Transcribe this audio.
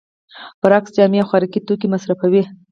برعکس جامې او خوراکي توکي مصرفوي